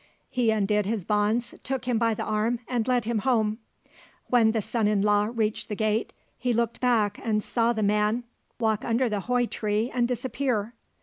He undid his bonds, took him by the arm and led him home. When the son in law reached the gate he looked back and saw the man walk under the Hoi tree and disappear.